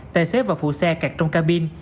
tài xế và phụ xe kẹt trong cabin